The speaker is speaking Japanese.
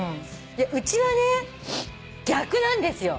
うちはね逆なんですよ。